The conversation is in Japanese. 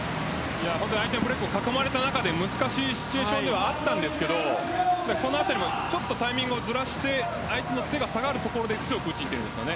相手のブロックに囲まれた中で難しいシチュエーションではあったんですけどこのあたりちょっとタイミングをずらして相手の手が下がるところで強く打ちにいっているんです。